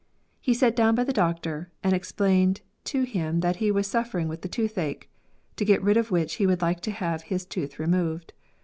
He sat down by the doctor and explained to him that he was suffering with the toothache, to get rid of which he would like to have his tooth removed.